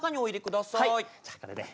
じゃあこれで。